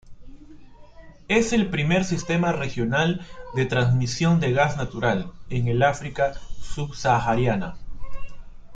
Es el primer sistema regional de transmisión de gas natural en el África subsahariana.